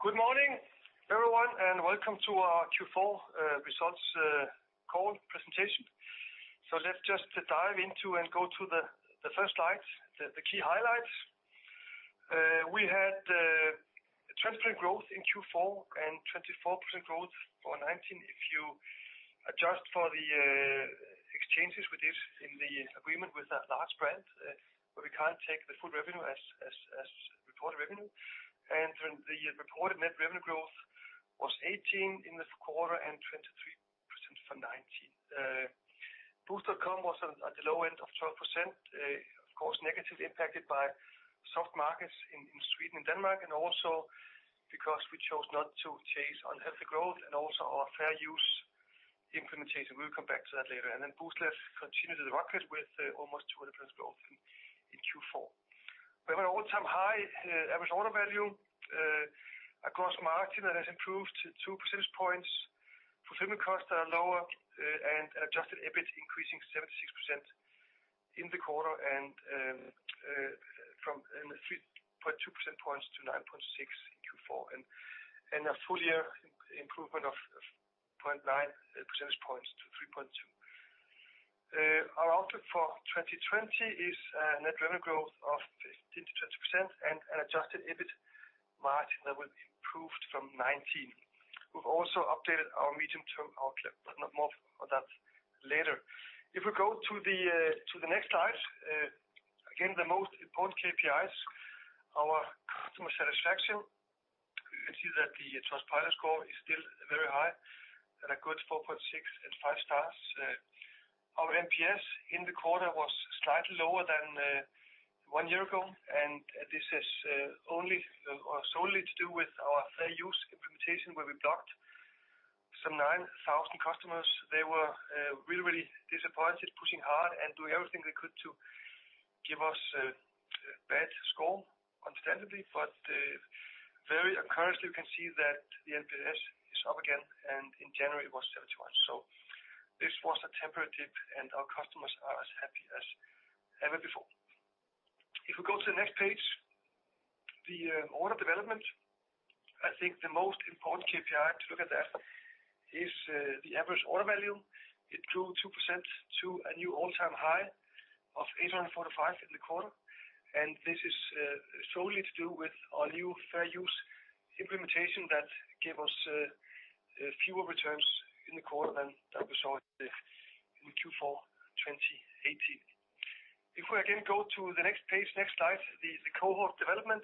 Good morning, everyone, and welcome to our Q4 results call presentation. So let's just dive into and go to the first slide, the key highlights. We had 20% growth in Q4 and 24% growth for 2019, if you adjust for the exchanges we did in the agreement with a large brand, where we can't take the full revenue as reported revenue. The reported net revenue growth was 18% in this quarter and 23% for 2019. Boozt.com was at the low end of 12%, of course, negatively impacted by soft markets in Sweden and Denmark, and also because we chose not to chase unhealthy growth and also our Fair Use implementation. We'll come back to that later. And then Booztlet continued to rock it with almost 20% growth in Q4. We have an all-time high average order value, gross margin that has improved two percentage points. Fulfillment costs are lower, and Adjusted EBIT increasing 76% in the quarter and from 3.2 percentage points to 9.6% in Q4, and a full-year improvement of 0.9 percentage points to 3.2%. Our outlook for 2020 is net revenue growth of 15%-20% and an Adjusted EBIT margin that will improved from 19%. We've also updated our medium-term outlook, but more on that later. If we go to the next slide, again, the most important KPIs, our customer satisfaction. You can see that the Trustpilot score is still very high, at a good 4.6 and five stars. Our NPS in the quarter was slightly lower than one year ago, and this is only or solely to do with our Fair Use implementation, where we blocked some 9,000 customers. They were really, really disappointed, pushing hard and doing everything they could to give us a bad score, understandably. But very encouraged, you can see that the NPS is up again, and in January it was 71. So this was a temporary dip, and our customers are as happy as ever before. If we go to the next page, the order development, I think the most important KPI to look at that is the average order value. It grew 2% to a new all-time high of 845 in the quarter, and this is solely to do with our new Fair Use implementation that gave us fewer returns in the quarter than that we saw in Q4 2018. If we again go to the next page, next slide, the cohort development.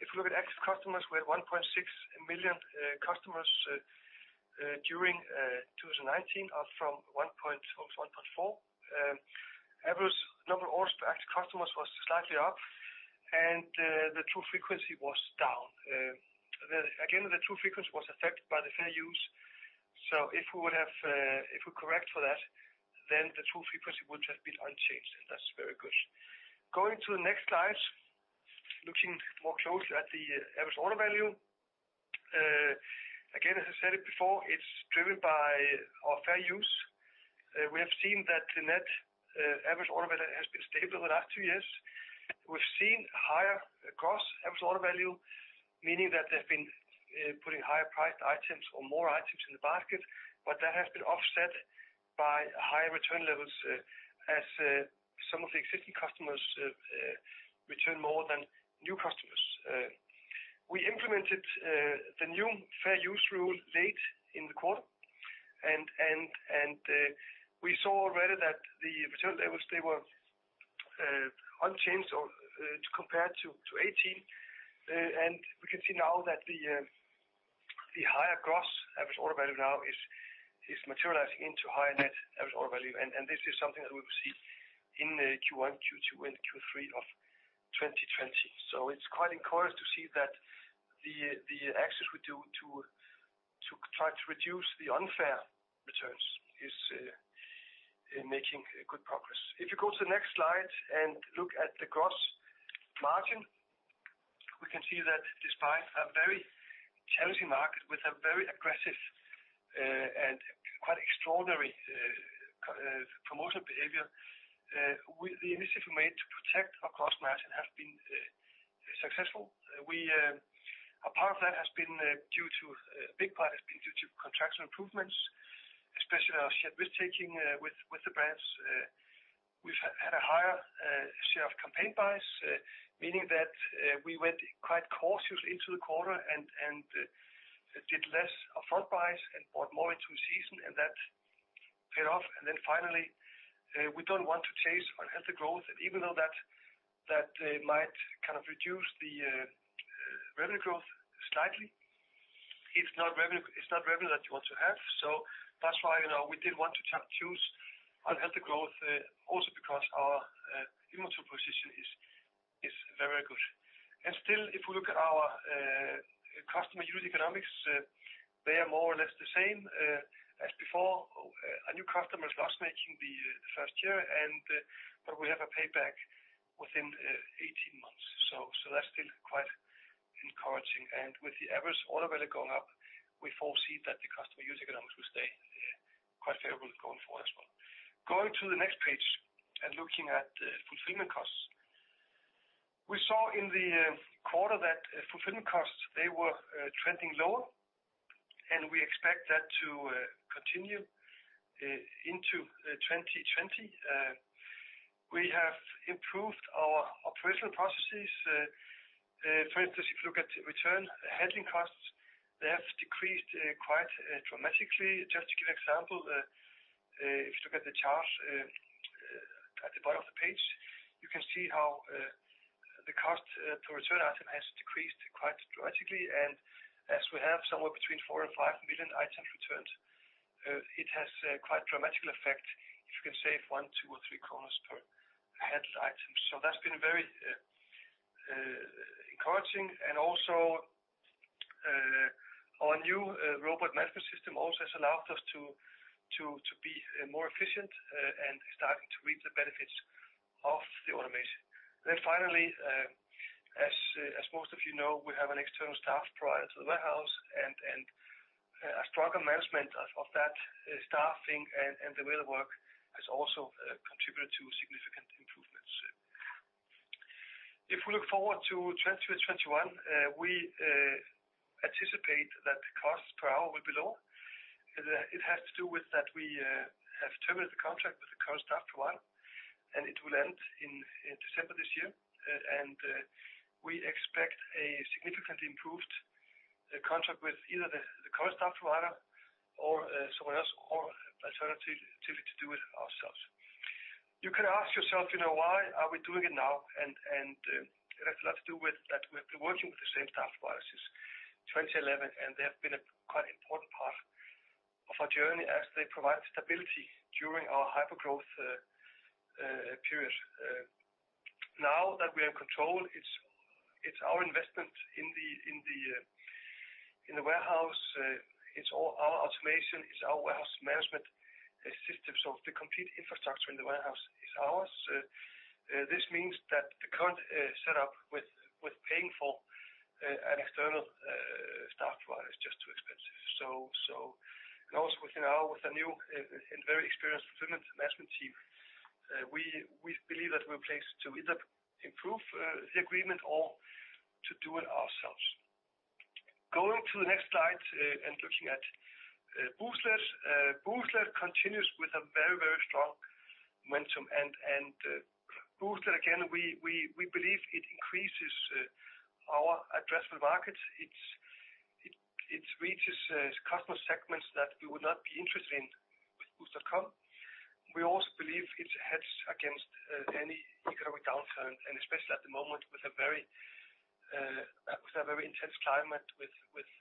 If you look at active customers, we had 1.6 million customers during 2019, up from 1.4. Average number of orders to active customers was slightly up, and the true frequency was down. Again, the true frequency was affected by the Fair Use, so if we would have, if we correct for that, then the true frequency would have been unchanged, and that's very good. Going to the next slide, looking more closely at the average order value. Again, as I said it before, it's driven by our Fair Use. We have seen that the net average order value has been stable the last two years. We've seen higher gross average order value, meaning that they've been putting higher priced items or more items in the basket, but that has been offset by higher return levels, as some of the existing customers return more than new customers. We implemented the new Fair Use rule late in the quarter, and we saw already that the return levels they were unchanged or compared to 18. And we can see now that the higher gross average order value now is materializing into higher net average order value, and this is something that we will see in the Q1, Q2, and Q3 of 2020. So it's quite encouraged to see that the actions we do to try to reduce the unfair returns is making good progress. If you go to the next slide and look at the gross margin, we can see that despite a very challenging market with a very aggressive and quite extraordinary promotional behavior, the initiative we made to protect our gross margin has been successful. A part of that has been due to, a big part has been due to contractual improvements, especially our shared risk-taking with the brands. We've had a higher share of campaign buys, meaning that we went quite cautiously into the quarter and did less upfront buys and bought more into season, and that paid off. And then finally, we don't want to chase unhealthy growth, and even though that might kind of reduce the revenue growth slightly, it's not revenue, it's not revenue that you want to have. So that's why, you know, we did want to choose unhealthy growth, also because our inventory position is very good. And still, if we look at our customer unit economics, they are more or less the same as before. A new customer is loss-making the first year, and but we have a payback within 18 months. So that's still quite encouraging. The average order value going up, we foresee that the customer unit economics will stay quite favorable going forward as well. Going to the next page and looking at fulfillment costs. We saw in the quarter that fulfillment costs, they were trending lower, and we expect that to continue into 2020. We have improved our operational processes. For instance, if you look at return handling costs, they have decreased quite dramatically. Just to give an example, if you look at the chart at the bottom of the page, you can see how the cost to return item has decreased quite dramatically, and as we have somewhere between 4 and 5 million items returned, it has a quite dramatic effect if you can save 1, 2, or 3 SEK per handled item. So that's been very encouraging, and also our new robot management system also has allowed us to be more efficient and starting to reap the benefits of the automation. Then finally, as most of you know, we have an external staff prior to the warehouse, and a stronger management of that staffing and the way it work has also contributed to significant improvements. If we look forward to 2021, we anticipate that the cost per hour will be low. It has to do with that we have terminated the contract with the current staff provider, and it will end in December this year. And we expect a significantly improved contract with either the current staff provider or someone else, or alternatively, to do it ourselves. You can ask yourself, you know, why are we doing it now? And that has a lot to do with that we've been working with the same staff provider since 2011, and they have been a quite important part of our journey as they provide stability during our hypergrowth period. Now that we are in control, it's our investment in the warehouse, it's all our automation, it's our warehouse management system. So the complete infrastructure in the warehouse is ours. This means that the current setup with paying for an external staff provider is just too expensive. So, and also with, you know, with a new and very experienced fulfillment management team, we believe that we're placed to either improve the agreement or to do it ourselves. Going to the next slide, and looking at Booztlet. Booztlet continues with a very strong momentum, and Booztlet, again, we believe it increases our addressable markets. It reaches customer segments that we would not be interested in with Boozt.com. We also believe it hedges against any economic downturn, and especially at the moment, with a very intense climate, with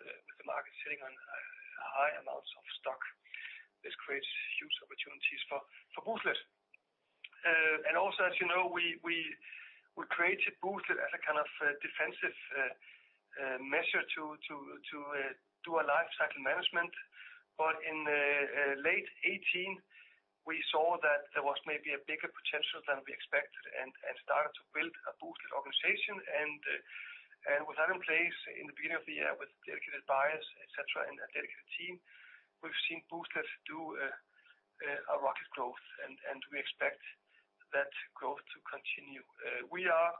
the market sitting on high amounts of stock, this creates huge opportunities for Booztlet. And also, as you know, we created Booztlet as a kind of a defensive measure to do a life cycle management. But in late 2018, we saw that there was maybe a bigger potential than we expected and started to build a Booztlet organization. And with that in place, in the beginning of the year, with dedicated buyers, et cetera, and a dedicated team, we've seen Booztlet do a rocket growth, and we expect that growth to continue. We are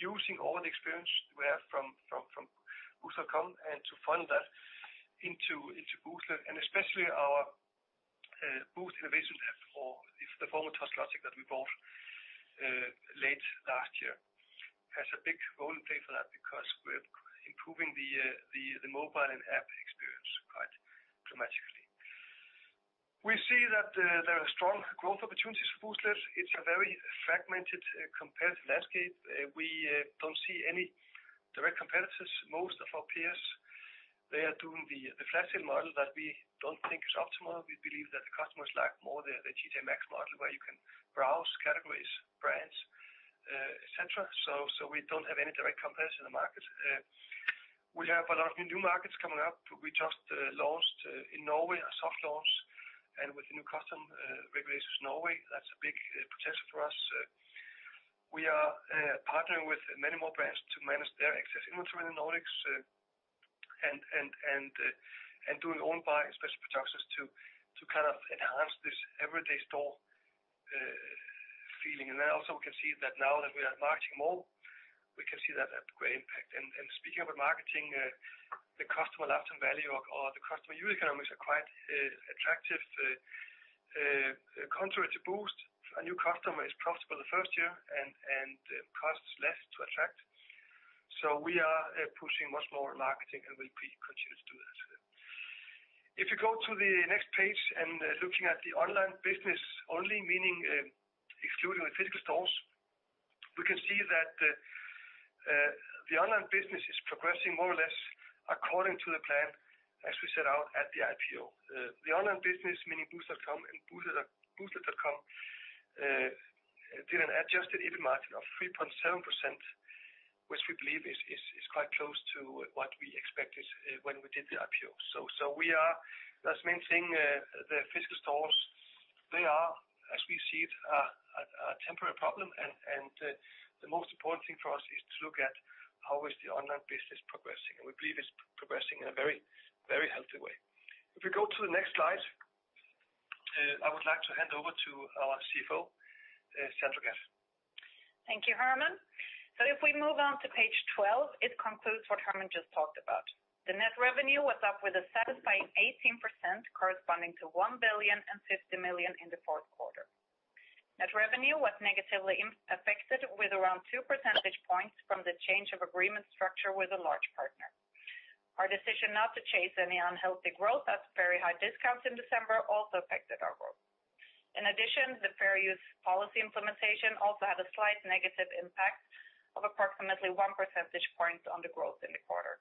using all the experience we have from Boozt.com and to funnel that into Booztlet, and especially our Boozt Innovation Lap or it's the former Touchlogic that we bought late last year, has a big role to play for that because we're improving the mobile and app experience quite dramatically. We see that there are strong growth opportunities for Booztlet. It's a very fragmented competitive landscape. We don't see any direct competitors. Most of our peers, they are doing the flash sale model that we don't think is optimal. We believe that the customers like more the TJ Maxx model, where you can browse categories, brands, et cetera. So we don't have any direct competitors in the market. We have a lot of new markets coming up. We just launched in Norway, a soft launch, and with the new customs regulations Norway, that's a big potential for us. We are partnering with many more brands to manage their excess inventory in the Nordics, and doing own buys, especially producers, to kind of enhance this everyday store feeling. Then also, we can see that now that we are marketing more, we can see that have great impact. Speaking about marketing, the customer lifetime value or the customer unit economics are quite attractive. Contrary to Boozt, a new customer is profitable the first year and costs less to attract. So we are pushing much more in marketing, and we continue to do that. If you go to the next page and looking at the online business only, meaning, excluding the physical stores, we can see that, the online business is progressing more or less according to the plan as we set out at the IPO. The online business, meaning Boozt.com and Booztlet, Booztlet.com, did an Adjusted EBITDA of 3.7%, which we believe is quite close to what we expected, when we did the IPO. So we are thus maintaining, the physical stores. They are, as we see it, a temporary problem, and, the most important thing for us is to look at how is the online business progressing, and we believe it's progressing in a very, very healthy way. If we go to the next slide, I would like to hand over to our CFO, Sandra Gadd. Thank you, Hermann. So if we move on to Page 12, it concludes what Hermann just talked about. The net revenue was up with a satisfying 18%, corresponding to 1,050 million in the fourth quarter. Net revenue was negatively impacted with around two percentage points from the change of agreement structure with a large partner. Our decision not to chase any unhealthy growth at very high discounts in December also affected our growth. In addition, the Fair Use policy implementation also had a slight negative impact of approximately one percentage point on the growth in the quarter.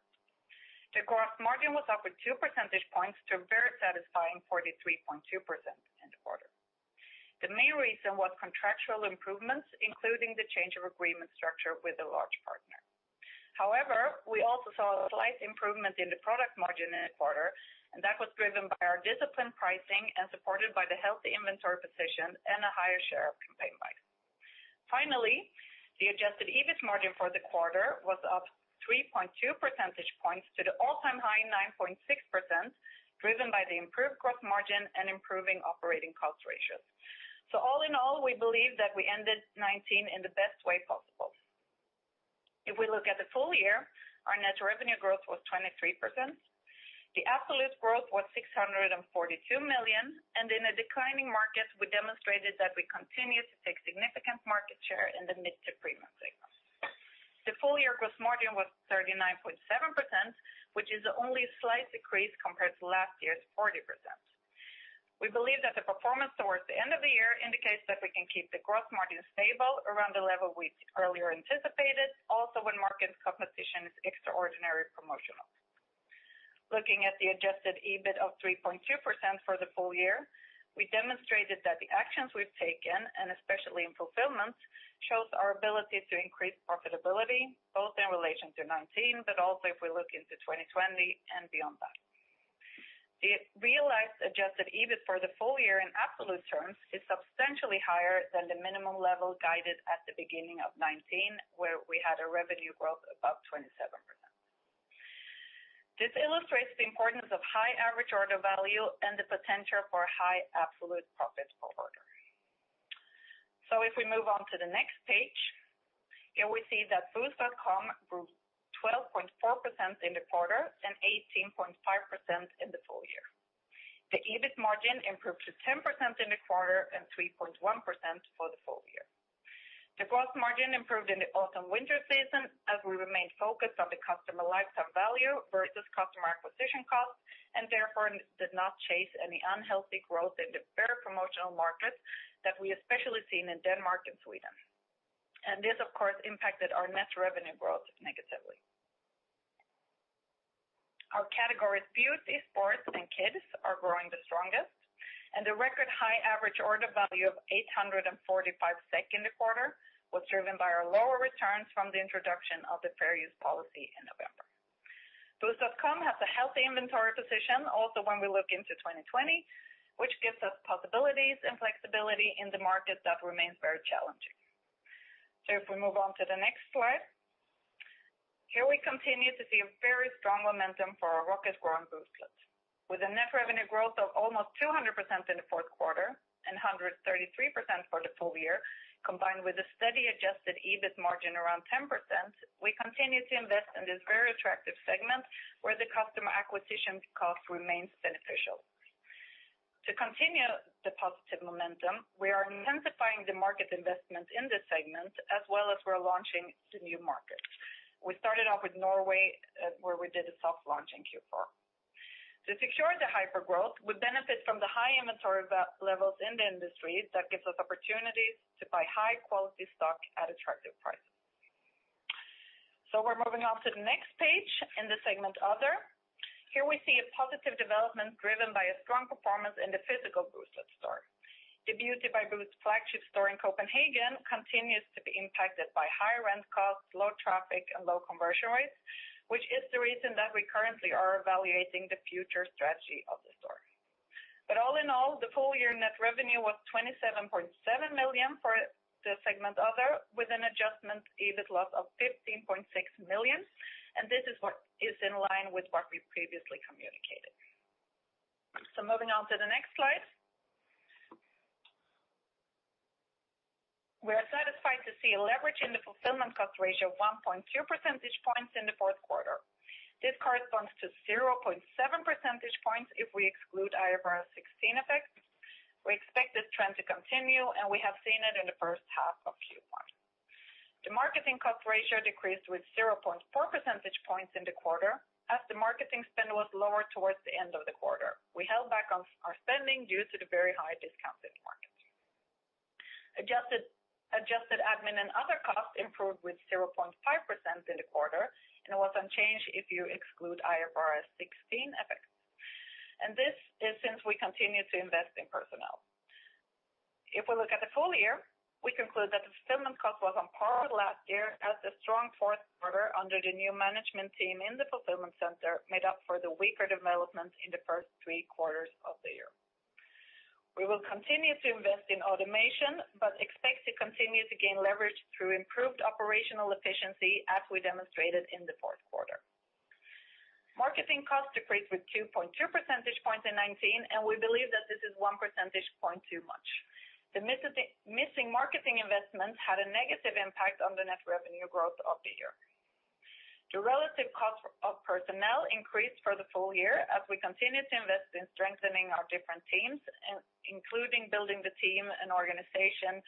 The gross margin was up with two percentage points to a very satisfying 43.2% in the quarter. The main reason was contractual improvements, including the change of agreement structure with a large partner. However, we also saw a slight improvement in the product margin in the quarter, and that was driven by our disciplined pricing and supported by the healthy inventory position and a higher share of campaign buys. Finally, the Adjusted EBIT margin for the quarter was up 3.2 percentage points to the all-time high 9.6%, driven by the improved gross margin and improving operating cost ratios. So all in all, we believe that we ended 2019 in the best way possible. If we look at the full year, our net revenue growth was 23%. The absolute growth was 642 million, and in a declining market, we demonstrated that we continue to take significant market share in the mid to premium segment. The full-year gross margin was 39.7%, which is only a slight decrease compared to last year's 40%. We believe that the performance towards the end of the year indicates that we can keep the gross margin stable around the level we earlier anticipated, also when market competition is extraordinary promotional. Looking at the Adjusted EBIT of 3.2% for the full year, we demonstrated that the actions we've taken, and especially in fulfillment, shows our ability to increase profitability, both in relation to 2019, but also if we look into 2020 and beyond that. The realized Adjusted EBIT for the full year in absolute terms is substantially higher than the minimum level guided at the beginning of 2019, where we had a revenue growth above 27%. This illustrates the importance of high average order value and the potential for high absolute profit per order. So if we move on to the next page, here we see that Boozt.com grew 12.4% in the quarter and 18.5% in the full year. The EBIT margin improved to 10% in the quarter and 3.1% for the full year. The gross margin improved in the autumn-winter season, as we remained focused on the customer lifetime value versus customer acquisition costs, and therefore did not chase any unhealthy growth in the very promotional markets that we especially seen in Denmark and Sweden. And this, of course, impacted our net revenue growth negatively. Our categories, beauty, sports, and kids, are growing the strongest, and the record high average order value of 845 SEK in the quarter was driven by our lower returns from the introduction of the Fair Use policy in November. Boozt.com has a healthy inventory position, also when we look into 2020, which gives us possibilities and flexibility in the market that remains very challenging. If we move on to the next slide. Here we continue to see a very strong momentum for our rocketing growth Booztlet. With a net revenue growth of almost 200% in the fourth quarter and 133% for the full year, combined with a steady Adjusted EBIT margin around 10%, we continue to invest in this very attractive segment, where the customer acquisition cost remains beneficial. To continue the positive momentum, we are intensifying the market investment in this segment, as well as we're launching to new markets. We started off with Norway, where we did a soft launch in Q4. To secure the hypergrowth, we benefit from the high inventory levels in the industry that gives us opportunities to buy high-quality stock at attractive prices. So we're moving on to the next page in the segment, other. Here we see a positive development driven by a strong performance in the physical Boozt store. The Beauty by Boozt flagship store in Copenhagen continues to be impacted by higher rent costs, low traffic, and low conversion rates, which is the reason that we currently are evaluating the future strategy of the store. All in all, the full year net revenue was 27.7 million for the segment other, with an adjusted EBIT loss of 15.6 million, and this is what is in line with what we previously communicated. Moving on to the next slide. We are satisfied to see a leverage in the fulfillment cost ratio of 1.2 percentage points in the fourth quarter. This corresponds to 0.7 percentage points if we exclude IFRS 16 effects. We expect this trend to continue, and we have seen it in the first half of Q1. The marketing cost ratio decreased with 0.4 percentage points in the quarter, as the marketing spend was lower towards the end of the quarter. We held back on our spending due to the very high discount in the market. Adjusted, adjusted admin and other costs improved with 0.5% in the quarter and was unchanged if you exclude IFRS 16 effects. And this is since we continued to invest in personnel. If we look at the full year, we conclude that the fulfillment cost was on par with last year as the strong fourth quarter under the new management team in the fulfillment center made up for the weaker development in the first three quarters of the year. We will continue to invest in automation, but expect to continue to gain leverage through improved operational efficiency as we demonstrated in the fourth quarter. Marketing costs decreased with 2.2 percentage points in 2019, and we believe that this is one percentage point too much. The missing marketing investments had a negative impact on the net revenue growth of the year. The relative cost of personnel increased for the full year as we continue to invest in strengthening our different teams, and including building the team and organization,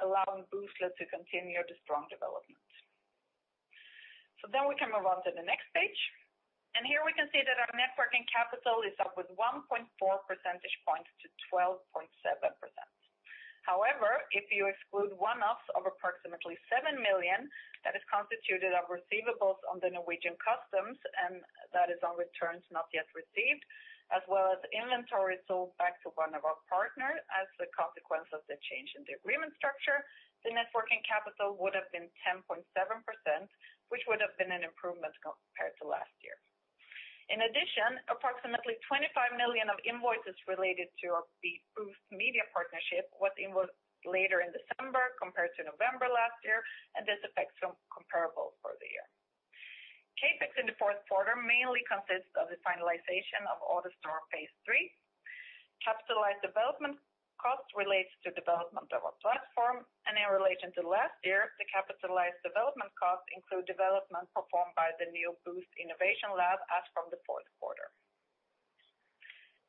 allowing Boozt to continue the strong development. So then we can move on to the next page. Here we can see that our net working capital is up with 1.4 percentage points to 12.7%. However, if you exclude one-offs of approximately 7 million, that is constituted of receivables on the Norwegian customs, and that is on returns not yet received, as well as inventory sold back to one of our partners as a consequence of the change in the agreement structure, the net working capital would have been 10.7%, which would have been an improvement compared to last year. In addition, approximately 25 million of invoices related to our Boozt Media Partnership was invoiced later in December compared to November last year, and this affects some comparable for the year. CapEx in the fourth quarter mainly consists of the finalization of AutoStore Phase 3, capitalized development costs relates to development of our platform, and in relation to last year, the capitalized development costs include development performed by the new Boozt Innovation Lab as from the fourth quarter.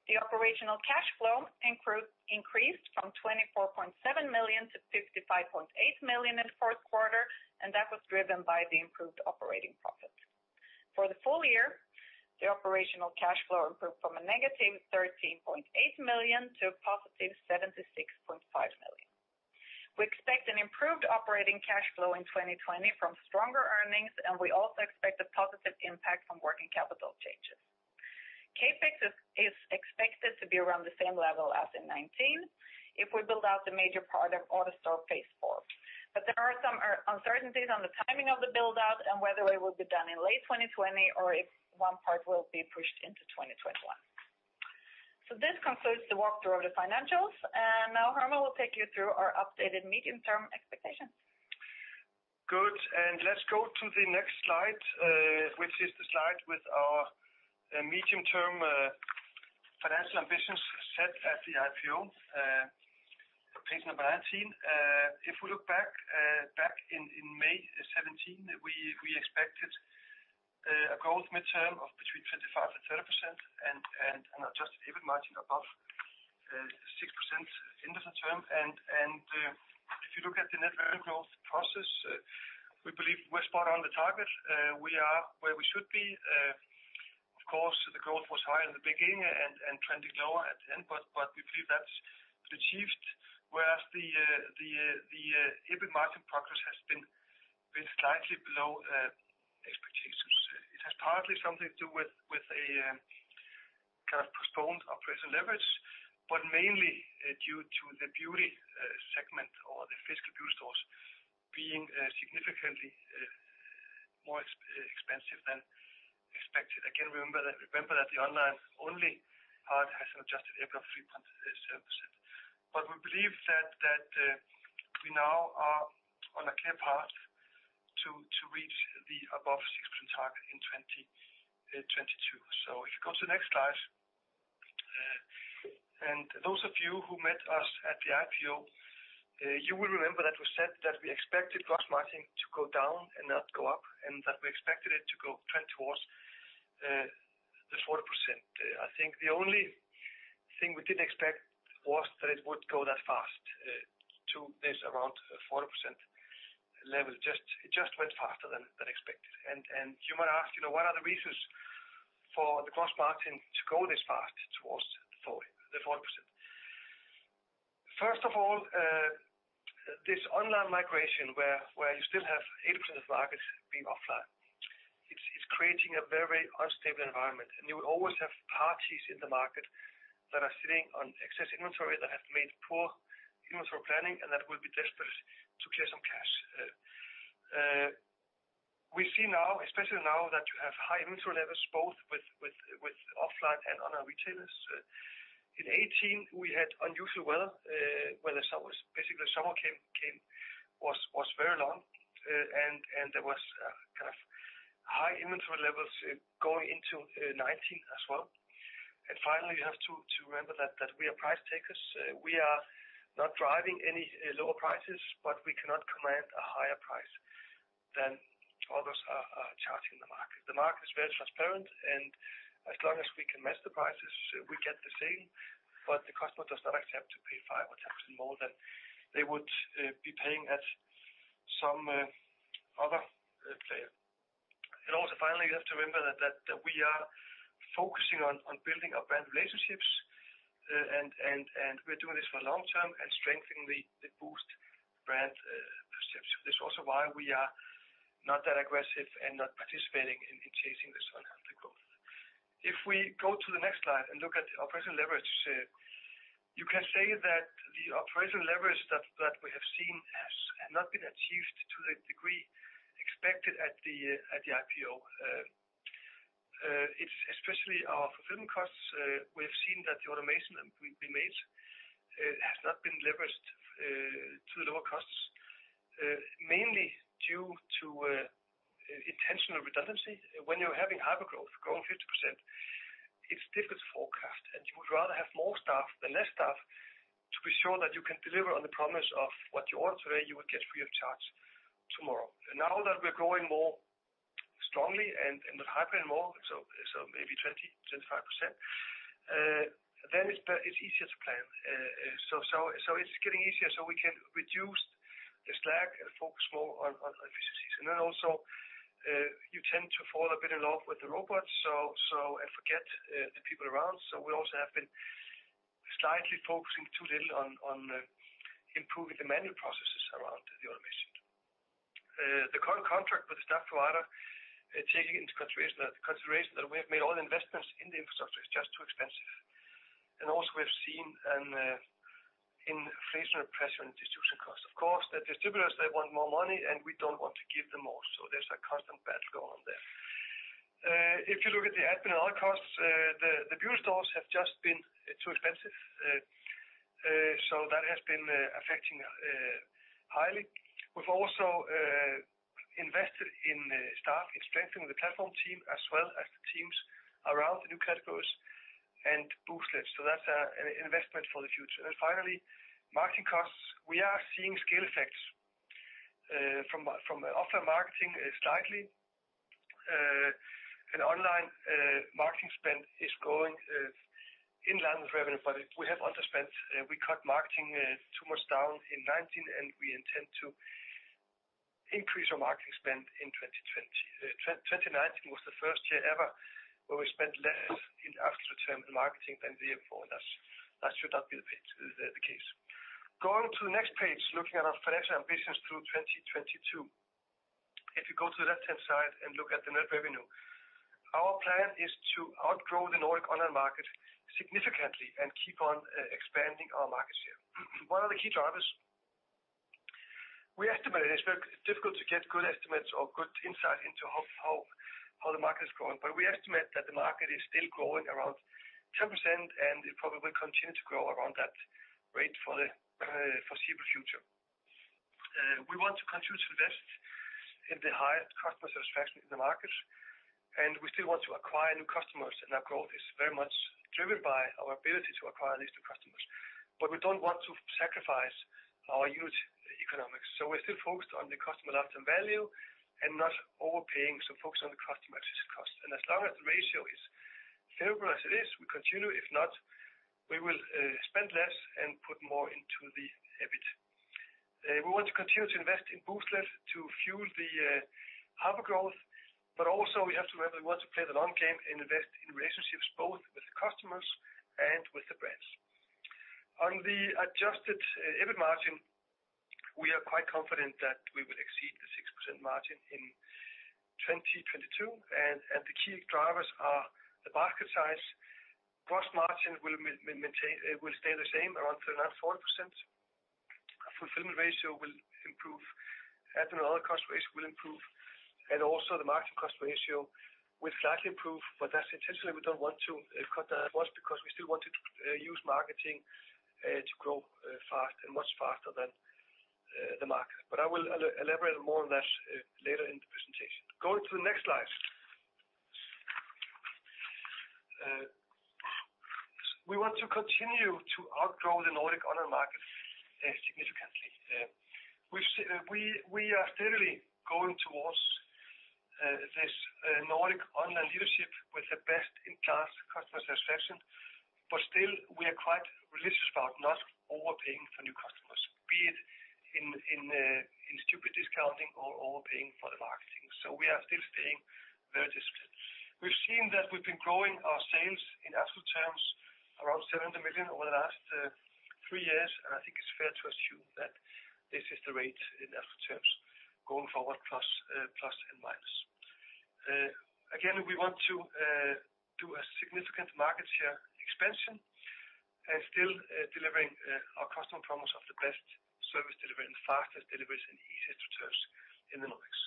The operational cash flow increased from 24.7 million to 55.8 million in the fourth quarter, and that was driven by the improved operating profit. For the full year, the operational cash flow improved from -13.8 million to 76.5 million. We expect an improved operating cash flow in 2020 from stronger earnings, and we also expect a positive impact from working capital changes. CapEx is expected to be around the same level as in 2019 if we build out the major part of AutoStore Phase 4. But there are some uncertainties on the timing of the build-out and whether it will be done in late 2020 or if one part will be pushed into 2021. So this concludes the walkthrough of the financials, and now Hermann will take you through our updated medium-term expectations. Good, and let's go to the next slide, which is the slide with our medium-term financial ambitions set at the IPO, page number 19. If we look back, back in May 2017, we expected a growth midterm of between 25% and 30% and an Adjusted EBIT margin above 6% in the term. If you look at the net revenue growth process, we believe we're spot on the target. We are where we should be. Of course, the growth was higher in the beginning and trending lower at the end, but we believe that's achieved, whereas the EBIT margin progress has been slightly below expectations. It has partly something to do with a kind of postponed operational leverage, but mainly due to the beauty segment or the physical beauty stores being significantly more expensive than expected. Again, remember that the online-only part has an Adjusted EBIT of 3.7%. But we believe that we now are on a clear path to reach the above 6% target in 2022. So if you go to the next slide, and those of you who met us at the IPO, you will remember that we said that we expected gross margin to go down and not go up, and that we expected it to go trend towards the 40%. I think the only thing we didn't expect was that it would go that fast to this around 40% level. Just, it just went faster than expected. And you might ask, you know, what are the reasons for the gross margin to go this fast towards the 40%? First of all, this online migration where you still have 8% of the market being offline, it's creating a very unstable environment, and you will always have parties in the market that are sitting on excess inventory, that have made poor inventory planning, and that will be desperate to clear some cash. We see now, especially now, that you have high inventory levels, both with offline and online retailers. In 2018, we had unusual weather, where the summer basically came and was very long, and there was kind of high inventory levels going into 2019 as well. And finally, you have to remember that we are price takers. We are not driving any lower prices, but we cannot command a higher price than others are charging the market. The market is very transparent, and as long as we can match the prices, we get the same, but the customer does not accept to pay 5% or 10% more than they would be paying at some other player. And also, finally, you have to remember that we are focusing on building our brand relationships, and we're doing this for long term and strengthening the-... Why we are not that aggressive and not participating in chasing this unhealthy growth. If we go to the next slide and look at the operational leverage, you can say that the operational leverage that we have seen has not been achieved to the degree expected at the IPO. It's especially our fulfillment costs; we've seen that the automation that we've been made has not been leveraged to the lower costs, mainly due to intentional redundancy. When you're having hypergrowth, growing 50%, it's difficult to forecast, and you would rather have more staff than less staff to be sure that you can deliver on the promise of what you order today, you will get free of charge tomorrow. Now that we're growing more strongly with hyper and more, maybe 20%-25%, then it's easier to plan. It's getting easier, so we can reduce the slack and focus more on efficiencies. Then also, you tend to fall a bit in love with the robots and forget the people around. So we also have been slightly focusing too little on improving the manual processes around the automation. The current contract with the staff provider, taking into consideration that we have made all the investments in the infrastructure is just too expensive. Also we've seen an inflationary pressure and distribution costs. Of course, the distributors, they want more money, and we don't want to give them more, so there's a constant battle going on there. If you look at the admin and other costs, the physical stores have just been too expensive. So that has been affecting highly. We've also invested in staff, in strengthening the platform team, as well as the teams around the new categories and Booztlet. So that's an investment for the future. And finally, marketing costs. We are seeing scale effects from the offline marketing slightly. And online marketing spend is growing in line with revenue, but we have underspent. We cut marketing too much down in 2019, and we intend to increase our marketing spend in 2020. 2019 was the first year ever where we spent less in absolute terms in marketing than the year before. That should not be the case. Going to the next page, looking at our financial ambitions through 2022. If you go to the left-hand side and look at the net revenue, our plan is to outgrow the Nordic online market significantly and keep on expanding our market share. What are the key drivers? We estimate, it's very difficult to get good estimates or good insight into how the market is growing, but we estimate that the market is still growing around 10%, and it probably will continue to grow around that rate for the foreseeable future. We want to continue to invest in the highest customer satisfaction in the market, and we still want to acquire new customers, and our growth is very much driven by our ability to acquire these new customers. But we don't want to sacrifice our huge economics. We're still focused on the customer lifetime value and not overpaying, so focused on the customer acquisition cost. As long as the ratio is favorable as it is, we continue. If not, we will spend less and put more into the EBIT. We want to continue to invest in Booztlet to fuel the hypergrowth, but also we have to remember, we want to play the long game and invest in relationships, both with the customers and with the brands. On the Adjusted EBIT margin, we are quite confident that we will exceed the 6% margin in 2022, and the key drivers are the basket size. Gross margin will maintain, will stay the same, around 39%-40%. Fulfillment ratio will improve, admin and other cost ratio will improve, and also the marketing cost ratio will slightly improve, but that's intentionally, we don't want to cut that much because we still want to use marketing to grow fast and much faster than the market. But I will elaborate more on that later in the presentation. Going to the next slide. We want to continue to outgrow the Nordic online market significantly. We are steadily going towards this Nordic online leadership with the best-in-class customer satisfaction, but still, we are quite religious about not overpaying for new customers, be it in stupid discounting or overpaying for the marketing. So we are still staying very disciplined. We've seen that we've been growing our sales in absolute terms around 700 million over the last three years, and I think it's fair to assume that this is the rate in absolute terms going forward, plus, plus and minus. Again, we want to do a significant market share expansion and still delivering our customer promise of the best service delivery and fastest delivery and easiest to trust in the Nordics.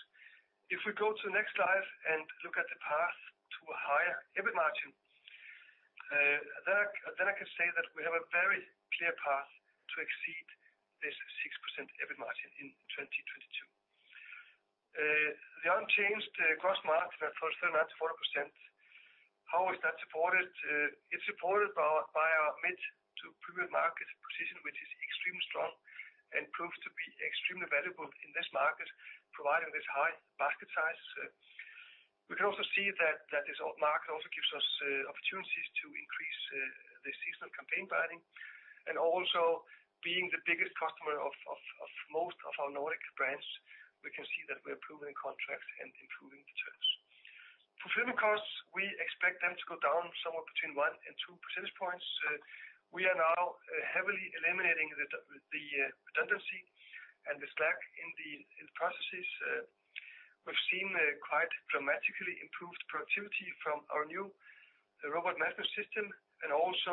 If we go to the next slide and look at the path to a higher EBIT margin, then I, then I can say that we have a very clear path to exceed this 6% EBIT margin in 2022. The unchanged gross margin at 39%-40%, how is that supported? It's supported by our, by our mid to premium market position, which is extremely strong and proves to be extremely valuable in this market, providing this high basket size. We can also see that this market also gives us opportunities to increase the seasonal campaign buying, and also being the biggest customer of most of our Nordic brands, we can see that we're improving contracts and improving... Fulfillment costs, we expect them to go down somewhere between one and two percentage points. We are now heavily eliminating the redundancy and the slack in the processes. We've seen a quite dramatically improved productivity from our new robot management system, and also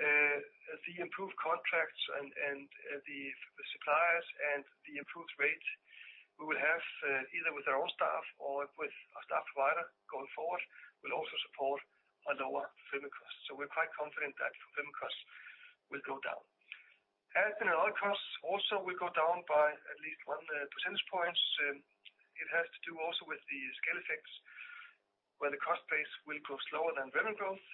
the improved contracts and the suppliers and the improved rates we will have, either with our own staff or with our staff provider going forward, will also support a lower fulfillment cost. So we're quite confident that fulfillment costs will go down. As in other costs, also will go down by at least one percentage points. It has to do also with the scale effects, where the cost base will grow slower than revenue growth.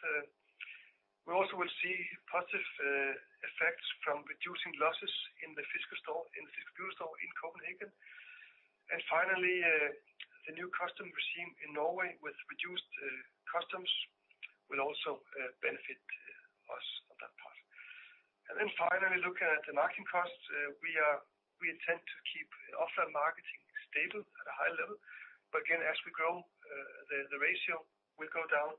We also will see positive effects from reducing losses in the physical store in Copenhagen. And finally, the new customs regime in Norway with reduced customs will also benefit us on that part. And then finally, looking at the marketing costs, we intend to keep offline marketing stable at a high level. But again, as we grow, the ratio will go down,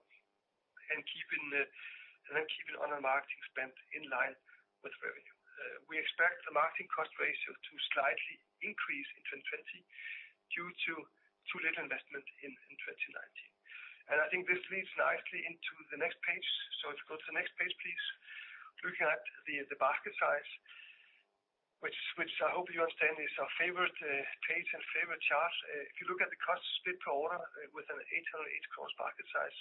and then keeping online marketing spend in line with revenue. We expect the marketing cost ratio to slightly increase in 2020 due to little investment in 2019. And I think this leads nicely into the next page. So if you go to the next page, please. Looking at the basket size, which I hope you understand, is our favorite page and favorite chart. If you look at the cost split per order with an 808 cross basket size,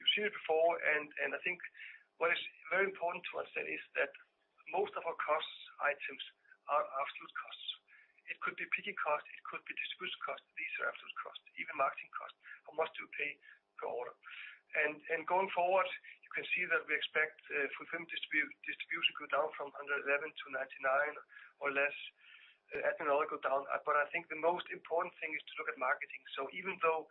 you've seen it before, and I think what is very important to us then is that most of our cost items are absolute costs. It could be picking costs, it could be distribution costs; these are absolute costs. Even marketing costs are much more fixed per order. And going forward, you can see that we expect fulfillment distribution to go down from under 11-99 or less, admin go down. But I think the most important thing is to look at marketing. So even though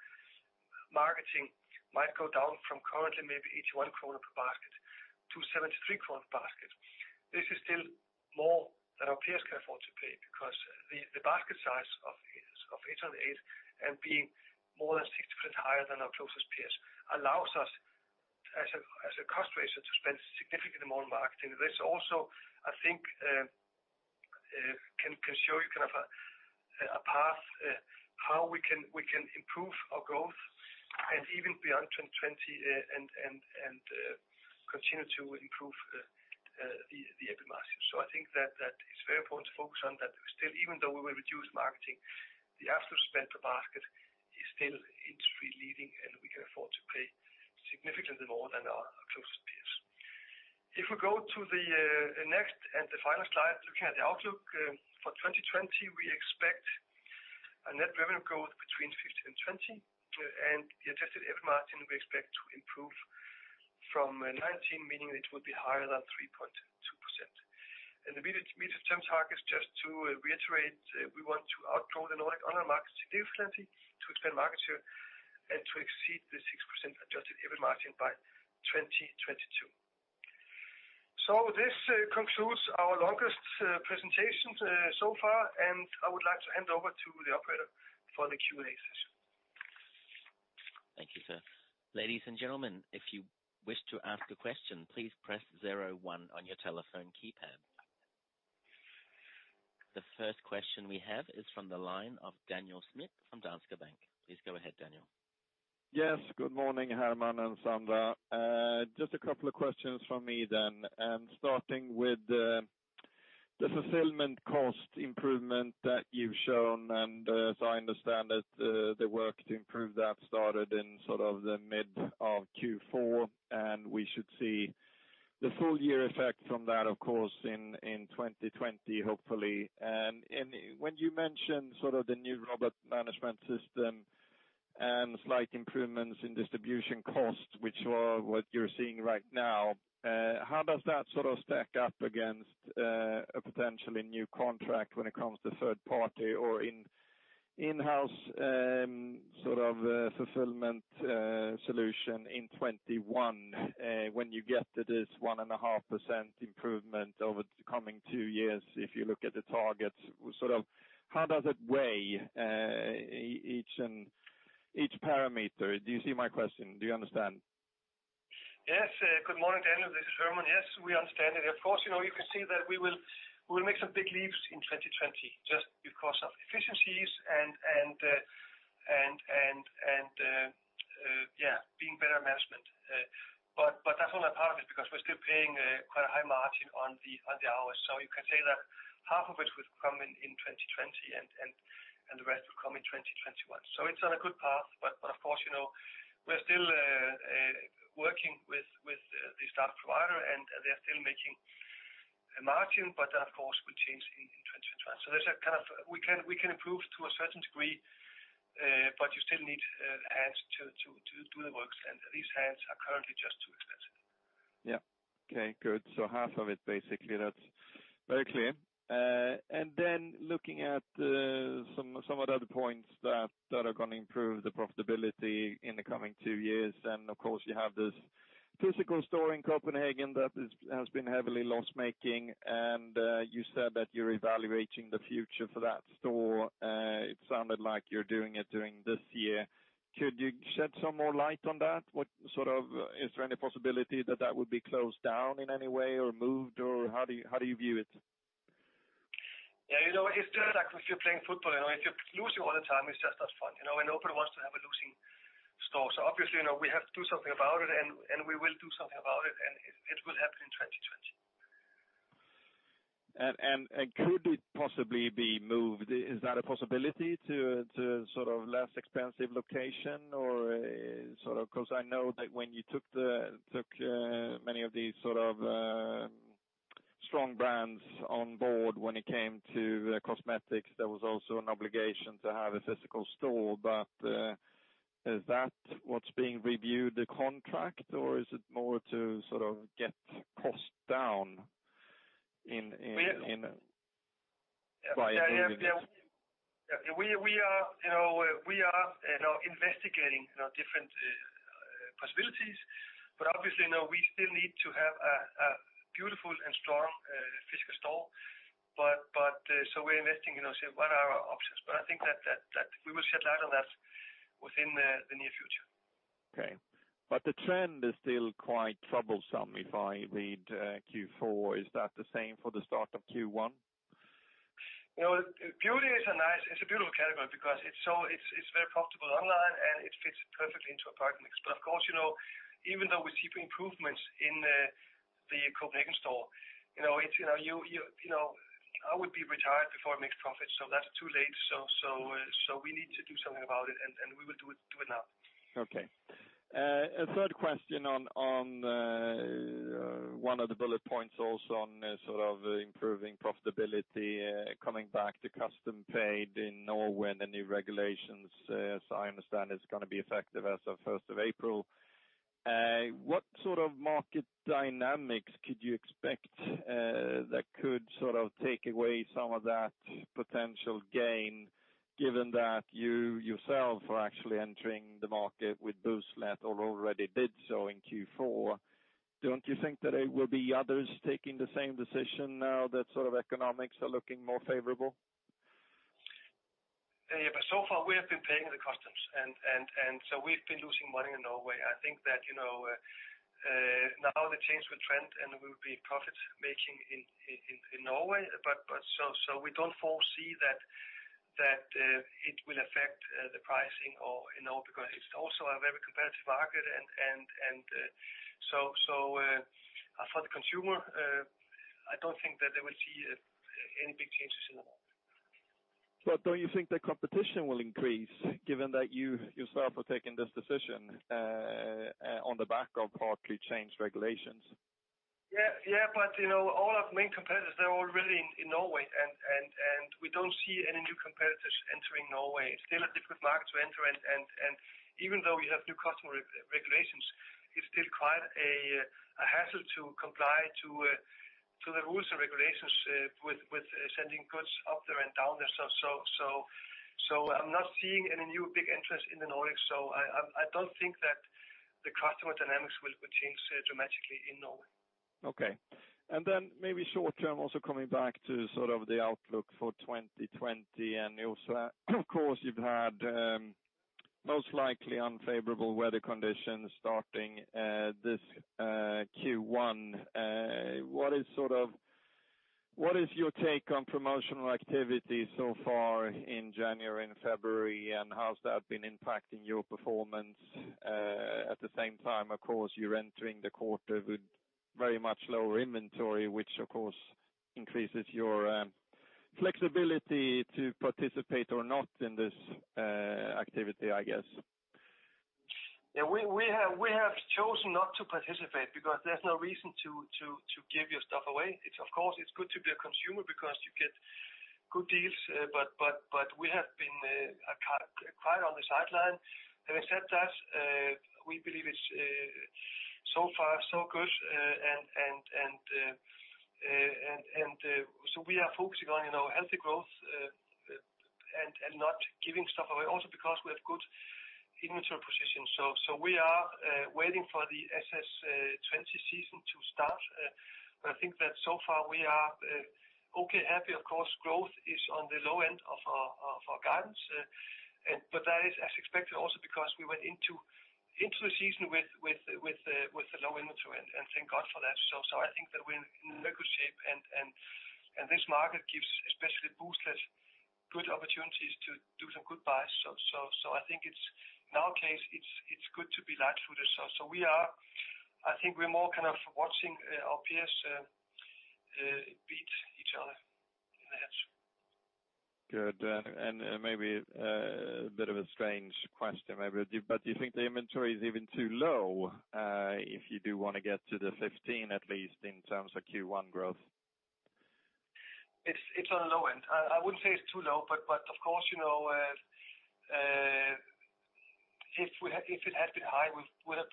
marketing might go down from currently maybe 1 kronor per basket to 73 kronor per basket, this is still more than our peers can afford to pay because the basket size of 808, and being more than 60% higher than our closest peers, allows us, as a cost ratio, to spend significantly more on marketing. This also, I think, can show you kind of a path how we can improve our growth and even beyond 2020, and continue to improve the EBIT margin. So I think that it's very important to focus on that. Still, even though we will reduce marketing, the absolute spend per basket is still industry-leading, and we can afford to pay significantly more than our closest peers. If we go to the next and the final slide, looking at the outlook for 2020, we expect a net revenue growth between 15%-20%, and the Adjusted EBIT margin, we expect to improve from 2019, meaning it will be higher than 3.2%. And the medium-term target, just to reiterate, we want to outgrow the online market differently, to expand market share and to exceed the 6% adjusted EBIT margin by 2022. So this concludes our longest presentation so far, and I would like to hand over to the operator for the Q&A session. Thank you, sir. Ladies and gentlemen, if you wish to ask a question, please press zero one on your telephone keypad. The first question we have is from the line of Daniel Schmidt from Danske Bank. Please go ahead, Daniel. Yes, good morning, Hermann and Sandra. Just a couple of questions from me then. Starting with the fulfillment cost improvement that you've shown, and so I understand that the work to improve that started in sort of the mid of Q4, and we should see the full year effect from that, of course, in 2020, hopefully. When you mentioned sort of the new robot management system and slight improvements in distribution costs, which are what you're seeing right now, how does that sort of stack up against a potentially new contract when it comes to third party or in-house sort of fulfillment solution in 2021, when you get this 1.5% improvement over the coming two years, if you look at the targets? Sort of, how does it weigh each and each parameter? Do you see my question? Do you understand? Yes, good morning, Daniel. This is Hermann. Yes, we understand it. Of course, you know, you can see that we will make some big leaps in 2020, just because of efficiencies and yeah, being better at management. But that's only part of it, because we're still paying quite a high margin on the hours. So you can say that half of it will come in 2020 and the rest will come in 2021. So it's on a good path, but of course, you know, we're still working with the staff provider, and they're still making a margin, but that, of course, will change in 2021. So there's a kind of... We can improve to a certain degree, but you still need hands to do the work, and these hands are currently just too expensive. Yeah. Okay, good. So half of it, basically, that's very clear. And then looking at some of the other points that are going to improve the profitability in the coming two years, and of course, you have this physical store in Copenhagen that has been heavily loss-making, and you said that you're evaluating the future for that store. It sounded like you're doing it during this year. Could you shed some more light on that? Is there any possibility that that would be closed down in any way or moved, or how do you view it? Yeah, you know, it's just like if you're playing football, you know, if you're losing all the time, it's just not fun, you know, and nobody wants to have a losing store. So obviously, you know, we have to do something about it, and we will do something about it, and it will happen in 2020. Could it possibly be moved? Is that a possibility to a sort of less expensive location or sort of, because I know that when you took many of these sort of strong brands on board, when it came to cosmetics, there was also an obligation to have a physical store. But, is that what's being reviewed, the contract, or is it more to sort of get costs down in? Yeah, yeah. By doing this? Yeah, we are, you know, investigating, you know, different possibilities, but obviously, you know, we still need to have a beautiful and strong physical store. But so we're investing, you know, say, what are our options? But I think that we will shed light on that within the near future. Okay. But the trend is still quite troublesome, if I read Q4. Is that the same for the start of Q1? You know, beauty is a beautiful category because it's very profitable online, and it fits perfectly into our product mix. But of course, you know, even though we see improvements in the Copenhagen store, you know, it's, you know, I would be retired before it makes profit, so that's too late. So we need to do something about it, and we will do it now. Okay. A third question on one of the bullet points, also on sort of improving profitability, coming back to customs paid in Norway and the new regulations, so I understand it's gonna be effective as of first of April. What sort of market dynamics could you expect that could sort of take away some of that potential gain, given that you yourself are actually entering the market with Booztlet or already did so in Q4? Don't you think that there will be others taking the same decision now that sort of economics are looking more favorable? Yeah, but so far, we have been paying the customs, and so we've been losing money in Norway. I think that, you know, now the change will trend, and we'll be profit making in Norway. But so we don't foresee that it will affect the pricing or, you know, because it's also a very competitive market. And so, for the consumer, I don't think that they will see any big changes in the market. But don't you think the competition will increase, given that you yourself are taking this decision on the back of partly changed regulations? Yeah, yeah, but, you know, all our main competitors, they're already in Norway, and we don't see any new competitors entering Norway. It's still a difficult market to enter, and even though we have new customer regulations, it's still quite a hassle to comply to the rules and regulations with sending goods up there and down there. So I'm not seeing any new big interest in the Nordics, so I don't think that the customer dynamics will change dramatically in Norway. Okay. And then maybe short term, also coming back to sort of the outlook for 2020, and also, of course, you've had most likely unfavorable weather conditions starting this Q1. What is sort of- what is your take on promotional activity so far in January and February, and how's that been impacting your performance? At the same time, of course, you're entering the quarter with very much lower inventory, which, of course, increases your flexibility to participate or not in this activity, I guess. Yeah, we have chosen not to participate because there's no reason to give your stuff away. It's, of course, it's good to be a consumer because you get good deals, but we have been quiet on the sideline. Having said that, we believe it's so far so good, and so we are focusing on, you know, healthy growth and not giving stuff away, also, because we have good inventory position. So we are waiting for the SS 20 season to start. But I think that so far we are okay, happy. Of course, growth is on the low end of our guidance, and but that is as expected also because we went into the season with the low inventory, and thank God for that. So I think that we're in very good shape, and this market gives, especially Booztlet, good opportunities to do some good buys. So I think it's, in our case, it's good to be lightfooted. So we are... I think we're more kind of watching our peers beat each other in the edge. Good. Maybe a bit of a strange question, maybe, but do you think the inventory is even too low, if you do wanna get to the 15, at least in terms of Q1 growth? It's on the low end. I wouldn't say it's too low, but of course, you know, if it had been high, we would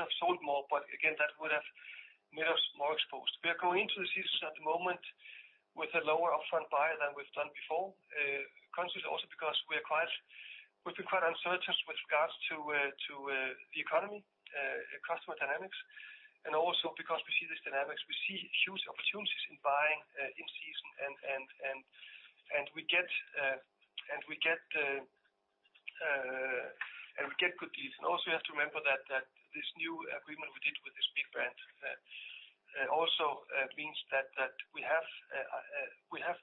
have sold more, but again, that would have made us more exposed. We are going into the season at the moment with a lower upfront buy than we've done before, consciously, also because we've been quite uncertain with regards to the economy, customer dynamics, and also because we see these dynamics, we see huge opportunities in buying in season and we get good deals. Also, you have to remember that this new agreement we did with this big brand also means that we have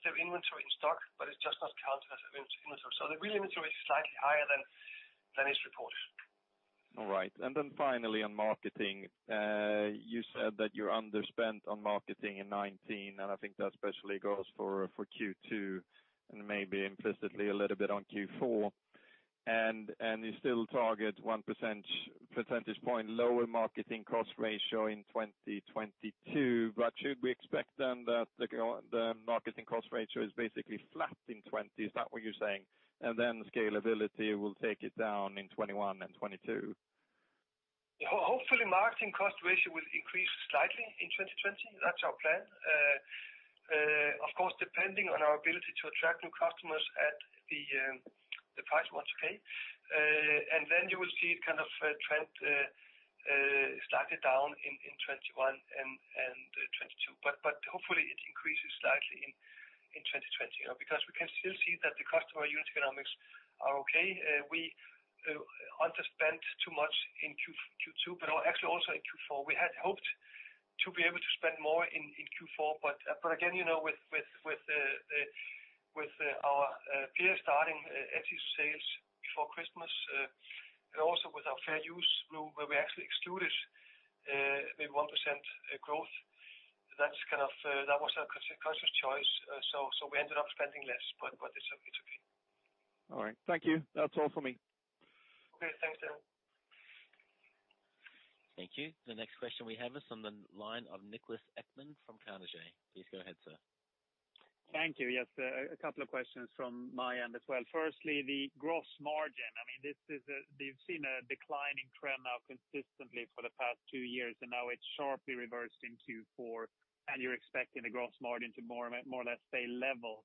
their inventory in stock, but it's just not counted as inventory. So the real inventory is slightly higher than is reported. All right. And then finally, on marketing, you said that you're underspent on marketing in 2019, and I think that especially goes for Q2, and maybe implicitly a little bit on Q4. And you still target 1 percentage point lower marketing cost ratio in 2022. But should we expect then that the marketing cost ratio is basically flat in 2020? Is that what you're saying? And then scalability will take it down in 2021 and 2022. Hopefully, marketing cost ratio will increase slightly in 2020. That's our plan. Of course, depending on our ability to attract new customers at the price we want to pay, and then you will see kind of a trend slightly down in 2021 and 2022. But hopefully it increases slightly in 2020, you know, because we can still see that the customer unit economics are okay. We underspent too much in Q2, but actually also in Q4. We had hoped to be able to spend more in Q4, but again, you know, with our peers starting aggressive sales before Christmas, and also with our Fair Use rule, where we actually excluded the 1% growth, that's kind of, that was a conscious choice. So we ended up spending less, but it's okay, it's okay. All right. Thank you. That's all for me. Okay. Thanks, Daniel. Thank you. The next question we have is on the line of Niklas Ekman from Carnegie. Please go ahead, sir. Thank you. Yes, a couple of questions from my end as well. Firstly, the gross margin. I mean, this is. We've seen a declining trend now consistently for the past two years, and now it's sharply reversed in Q4, and you're expecting the gross margin to more or less stay level.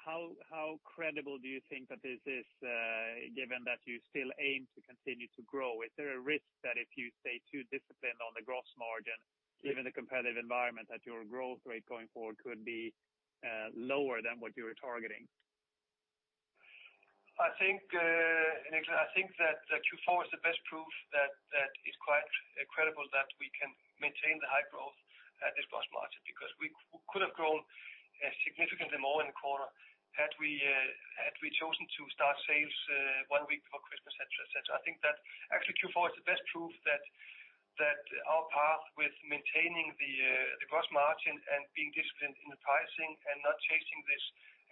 How credible do you think that this is, given that you still aim to continue to grow? Is there a risk that if you stay too disciplined on the gross margin, given the competitive environment, that your growth rate going forward could be lower than what you were targeting? I think, and actually, I think that the Q4 is the best proof that, that it's quite incredible that we can maintain the high growth at this gross margin, because we could have grown significantly more in the quarter, had we had we chosen to start sales one week before Christmas, et cetera, et cetera. I think that actually Q4 is the best proof that, that our path with maintaining the, the gross margin and being disciplined in the pricing and not chasing this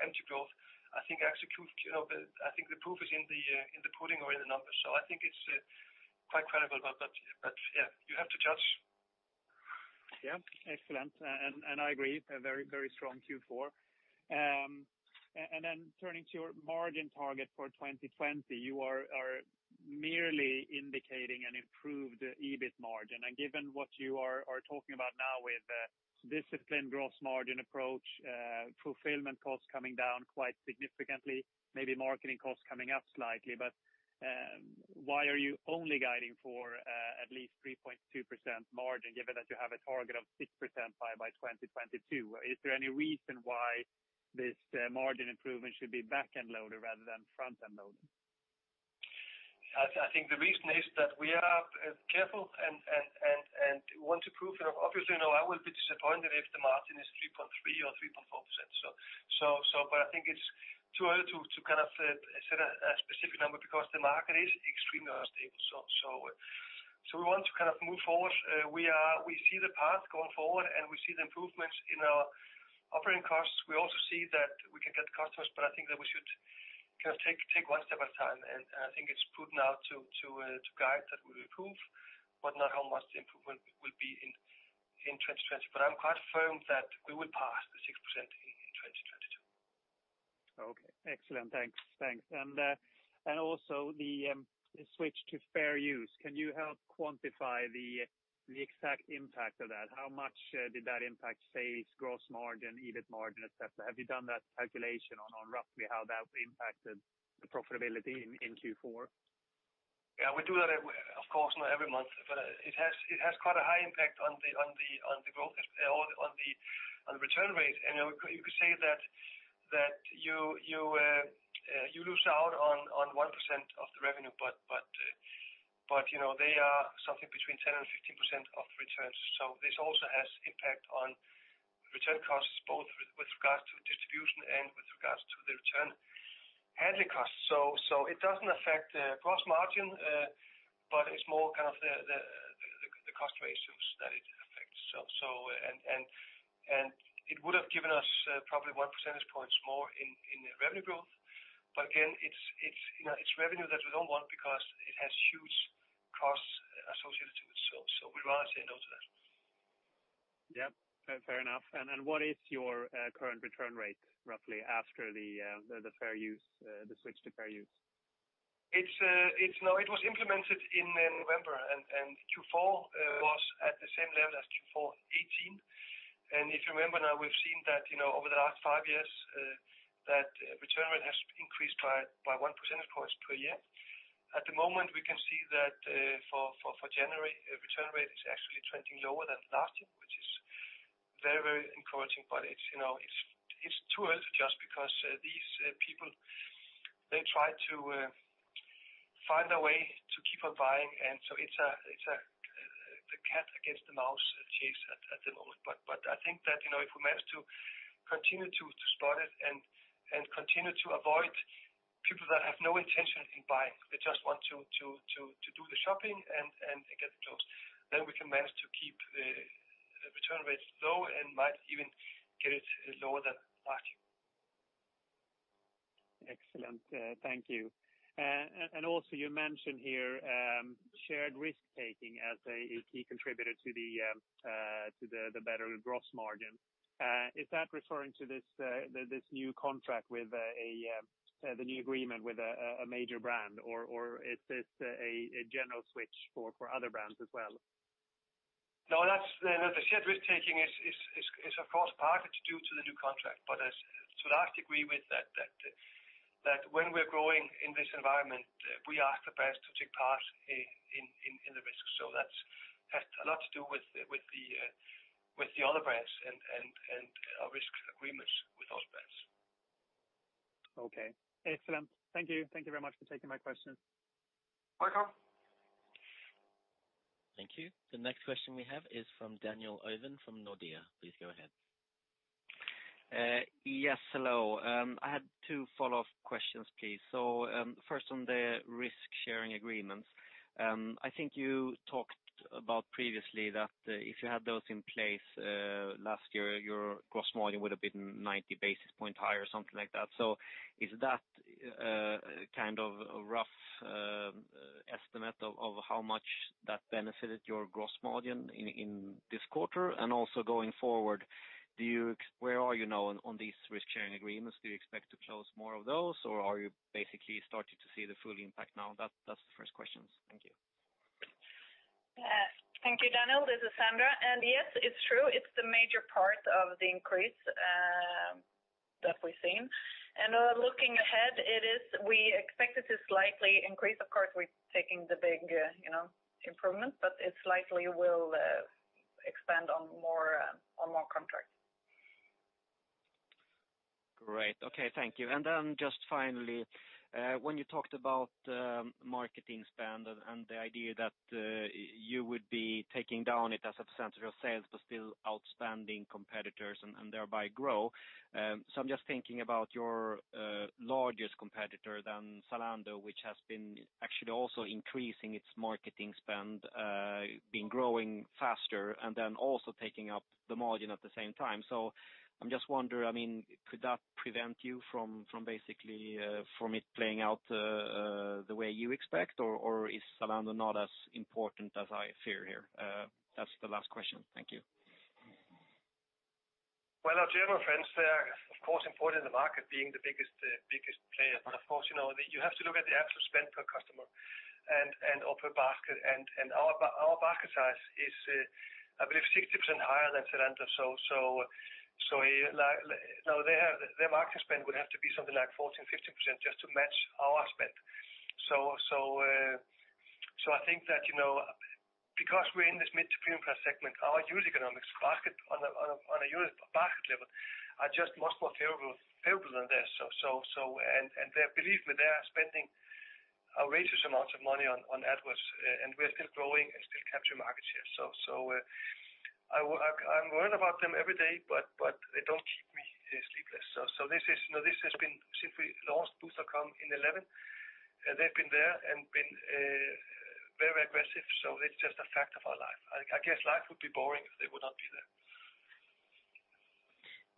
empty growth, I think actually, you know, the... I think the proof is in the, in the pudding or in the numbers. So I think it's quite credible, but, but, but yeah, you have to judge. Yeah, excellent. And I agree, a very, very strong Q4. And then turning to your margin target for 2020, you are merely indicating an improved EBIT margin. And given what you are talking about now with a disciplined gross margin approach, fulfillment costs coming down quite significantly, maybe marketing costs coming up slightly, but why are you only guiding for at least 3.2% margin, given that you have a target of 6% by 2022? Is there any reason why this margin improvement should be back-end loaded rather than front-end loaded? I think the reason is that we are careful and want to prove, and obviously, you know, I will be disappointed if the margin is 3.3% or 3.4%. So but I think it's too early to kind of set a specific number, because the market is extremely unstable. So we want to kind of move forward. We see the path going forward, and we see the improvements in our operating costs. We also see that we can get customers, but I think that we should kind of take one step at a time. And I think it's prudent now to guide that we improve, but not how much the improvement will be in 2022. But I'm quite firm that we will pass the 6% in 2022. Okay. Excellent. Thanks. Thanks. And also the switch to Fair Use, can you help quantify the exact impact of that? How much did that impact sales, gross margin, EBIT margin, et cetera? Have you done that calculation on roughly how that impacted the profitability in Q4? Yeah, we do that, of course, not every month, but it has quite a high impact on the growth, on the return rate. And you could say that you lose out on 1% of the revenue, but, you know, they are something between 10% and 15% of returns. So this also has impact on return costs, both with regards to distribution and with regards to the return handling costs. So it doesn't affect the gross margin, but it's more kind of the cost ratios that it affects. So... And it would have given us, probably one percentage points more in the revenue growth. But again, it's you know, it's revenue that we don't want because it has huge costs associated to it. So, we'd rather say no to that. Yeah, fair, fair enough. And what is your current return rate, roughly, after the Fair Use, the switch to Fair Use? It's. No, it was implemented in November, and Q4 was at the same level as Q4 2018. And if you remember now, we've seen that, you know, over the last five years, that return rate has increased by one percentage point per year. At the moment, we can see that, for January, return rate is actually trending lower than last year, which is very, very encouraging. But it's, you know, it's too early to adjust, because these people, they try to find a way to keep on buying, and so it's the cat against the mouse chase at the moment. But I think that, you know, if we manage to continue to spot it and continue to avoid people that have no intention in buying, they just want to do the shopping and get those, then we can manage to keep the return rates low and might even get it lower than last year. Excellent. Thank you. And also you mentioned here, shared risk-taking as a key contributor to the better gross margin. Is that referring to this new contract with the new agreement with a major brand? Or is this a general switch for other brands as well? No, that's the shared risk-taking is, of course, partly due to the new contract. But as to last degree with that when we're growing in this environment, we ask the brands to take part in the risk. So that has a lot to do with the other brands and risk agreements with those brands. Okay, excellent. Thank you. Thank you very much for taking my question. Welcome. Thank you. The next question we have is from Daniel Ovin from Nordea. Please go ahead. Yes, hello. I had two follow-up questions, please. So, first on the risk-sharing agreements. I think you talked about previously that, if you had those in place, last year, your gross margin would have been 90 basis points higher or something like that. So is that, kind of a rough, estimate of, of how much that benefited your gross margin in, in this quarter? And also going forward, do you—where are you now on, on these risk-sharing agreements? Do you expect to close more of those, or are you basically starting to see the full impact now? That's, that's the first question. Thank you. Thank you, Daniel. This is Sandra. Yes, it's true, it's the major part of the increase that we've seen. Looking ahead, it is. We expect it to slightly increase. Of course, we're taking the big, you know, improvement, but it's likely will expand on more, on more contracts. Great. Okay, thank you. And then just finally, when you talked about, marketing spend and, and the idea that, you would be taking it down as a percentage of sales, but still outspending competitors and, and thereby grow. So I'm just thinking about your, largest competitor, Zalando, which has been actually also increasing its marketing spend, been growing faster and then also taking up the margin at the same time. So I'm just wondering, I mean, could that prevent you from, from basically, from it playing out, the way you expect, or, or is Zalando not as important as I fear here? That's the last question. Thank you. Well, our German friends, they are, of course, important in the market, being the biggest, biggest player. But of course, you know, you have to look at the absolute spend per customer and, and or per basket. And, and our basket size is, I believe, 60% higher than Zalando. So, now, their, their market spend would have to be something like 14%-15% just to match our spend. So, so, I think that, you know, because we're in this mid to premium price segment, our use economics basket on a, on a, on a unit basket level are just much more favorable, favorable than theirs. So, so, so... And, and they, believe me, they are spending outrageous amounts of money on, on AdWords, and we're still growing and still capturing market share. So, I'm worried about them every day, but they don't keep me sleepless. So this is, you know, this has been since we launched Boozt.com in 2011, and they've been there and been very aggressive. So it's just a fact of our life. I guess life would be boring if they would not be there.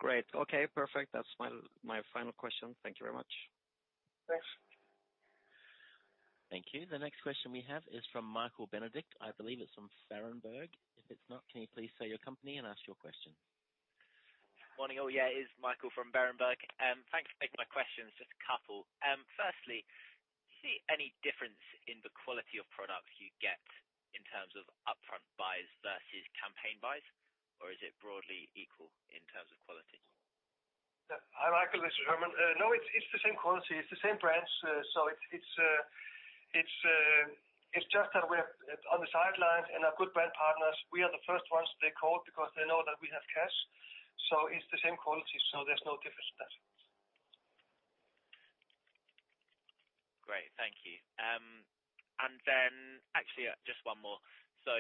Great. Okay, perfect. That's my, my final question. Thank you very much. Thanks. Thank you. The next question we have is from Michael Benedikt. I believe it's from Berenberg. If it's not, can you please say your company and ask your question? Morning, all. Yeah, it's Michael from Berenberg, and thanks for taking my questions, just a couple. Firstly, do you see any difference in the quality of products you get in terms of upfront buys versus campaign buys, or is it broadly equal in terms of quality? Yeah. Hi, Michael, this is Hermann. No, it's the same quality, it's the same brands. So it's just that we're on the sidelines, and our good brand partners, we are the first ones they call because they know that we have cash. So it's the same quality, so there's no difference there. Great. Thank you. And then actually, just one more. So,